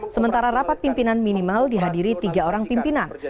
sementara rapat pimpinan minimal dihadiri tiga orang pimpinan